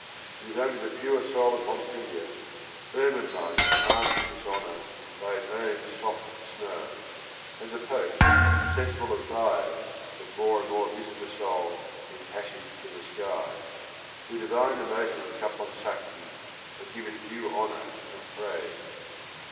It is only the pure soul of Pom pilia, "ermine like armed from dishonour by its own soft snow," and the Pope, "sensible of fires that more and more visit a soul in passage to the sky," who divine the motive of Caponsacchi and give it due honor and praise.